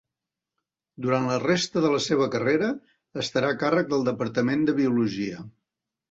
Durant la resta de la seva carrera estarà a càrrec del departament de biologia.